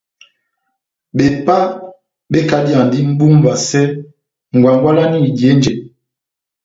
Bepá bekadiyandi mʼbu múvasɛ ngwangwalani eidihe njɛ.